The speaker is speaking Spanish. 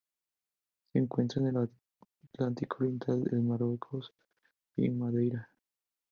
Se encuentra en el Atlántico oriental: el Marruecos y Madeira.